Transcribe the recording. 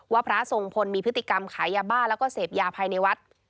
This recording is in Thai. พระทรงพลมีพฤติกรรมขายยาบ้าแล้วก็เสพยาภายในวัด